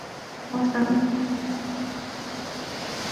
উহা সর্বদা একই আত্মারূপে অবস্থান করে।